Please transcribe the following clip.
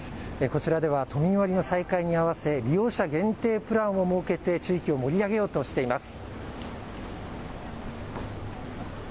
こちらでは都民割の再開に合わせ利用者限定プランを設けて地域を盛り上げようとしています。